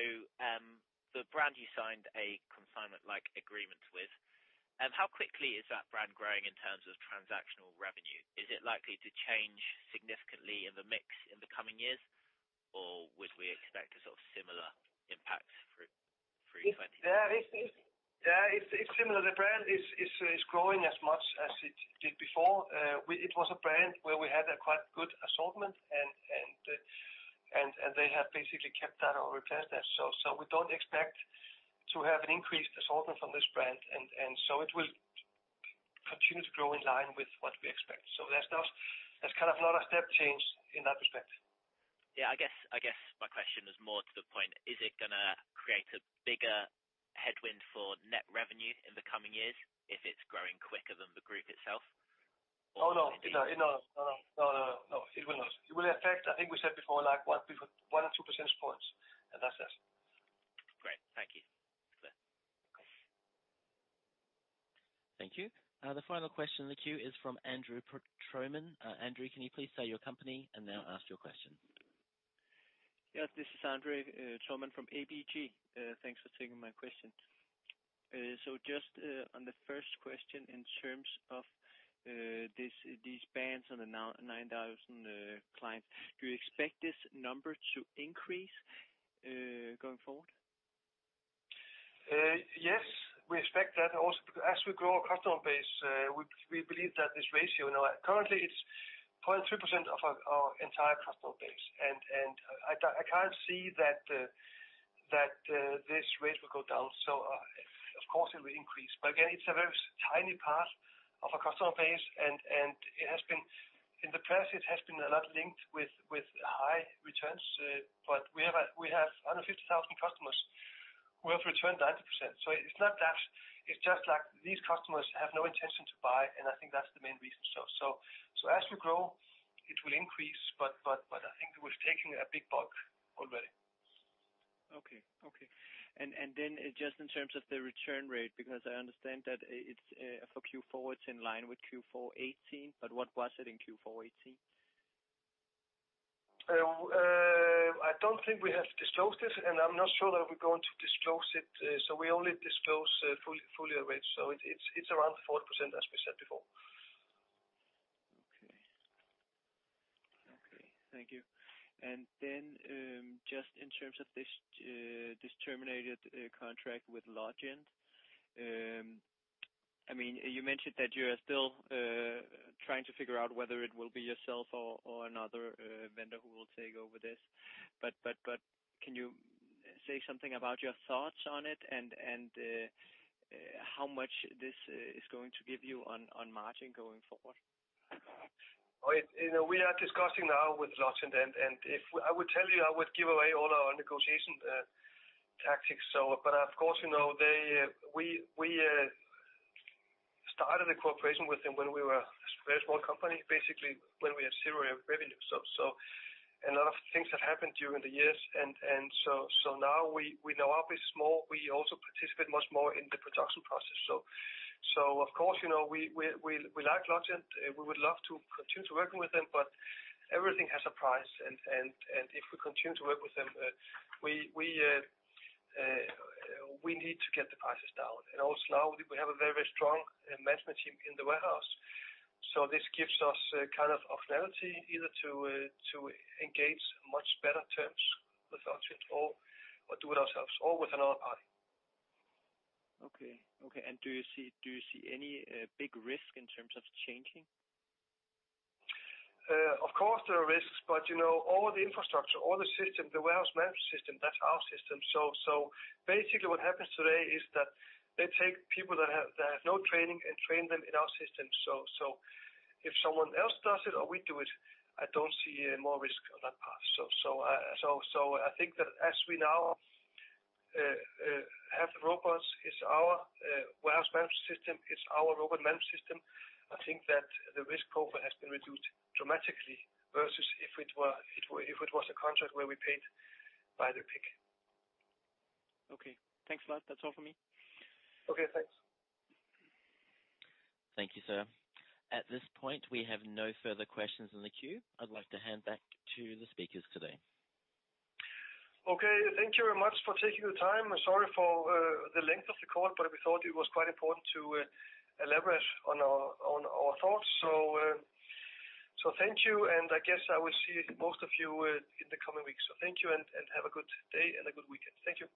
the brand you signed a consignment-like agreement with, how quickly is that brand growing in terms of transactional revenue? Is it likely to change significantly in the mix in the coming years, or would we expect a sort of similar impact for, for 20- Yeah, it's similar. The brand is growing as much as it did before. It was a brand where we had a quite good assortment, and they have basically kept that or replaced that. So we don't expect to have an increased assortment from this brand, and so it will continue to grow in line with what we expect. So that's kind of not a step change in that respect. Yeah, I guess, I guess my question is more to the point: Is it gonna create a bigger headwind for net revenue in the coming years if it's growing quicker than the group itself? Oh, no. No, no, no, no, no, no, no, it will not. It will affect, I think we said before, like, one or two percentage points, and that's it. Great. Thank you. Thank you. The final question in the queue is from Andrew Trohman. Andrew, can you please state your company and now ask your question? Yes, this is Andrew Trohman from ABG. Thanks for taking my question. So just, on the first question in terms of, this, these bans on the 9,000 clients, do you expect this number to increase, going forward? Yes, we expect that also, because as we grow our customer base, we believe that this ratio now... Currently, it's 0.3% of our entire customer base, and I can't see that this rate will go down, so of course, it will increase. But again, it's a very tiny part of our customer base, and it has been, in the past, a lot linked with high returns, but we have under 50,000 customers who have returned 90%. So it's not that. It's just like these customers have no intention to buy, and I think that's the main reason. So as we grow, it will increase, but I think we've taken a big bulk already. Okay. Okay. And then just in terms of the return rate, because I understand that it's for Q4, it's in line with Q4 2018, but what was it in Q4 2018? I don't think we have disclosed it, and I'm not sure that we're going to disclose it. So we only disclose full return rate, so it's around 4%, as we said before. Okay. Okay, thank you. And then, just in terms of this, this terminated contract with Logent. I mean, you mentioned that you are still trying to figure out whether it will be yourself or another vendor who will take over this. But can you say something about your thoughts on it and how much this is going to give you on margin going forward? Oh, you know, we are discussing now with Logent, and if I would tell you, I would give away all our negotiation tactics, so... But of course, you know, we started a cooperation with them when we were a very small company, basically, when we had 0 revenue. So a lot of things have happened during the years, and so now we are pretty small. We also participate much more in the production process. So of course, you know, we like Logent, we would love to continue to working with them, but everything has a price, and if we continue to work with them, we need to get the prices down. And also now, we have a very, very strong management team in the warehouse. This gives us kind of opportunity either to engage much better terms with Logent or do it ourselves or with another party. Okay. Okay, and do you see, do you see any big risk in terms of changing? Of course, there are risks, but, you know, all the infrastructure, all the system, the warehouse management system, that's our system. So, basically, what happens today is that they take people that have no training and train them in our system. So, if someone else does it or we do it, I don't see any more risk on that part. So, I think that as we now have the robots, it's our warehouse management system, it's our robot management system. I think that the risk profile has been reduced dramatically versus if it were, if it was a contract where we paid by the pick. Okay. Thanks a lot. That's all for me. Okay, thanks. Thank you, sir. At this point, we have no further questions in the queue. I'd like to hand back to the speakers today. Okay, thank you very much for taking the time, and sorry for the length of the call, but we thought it was quite important to elaborate on our thoughts. So, so thank you, and I guess I will see most of you in the coming weeks. So thank you, and have a good day and a good weekend. Thank you.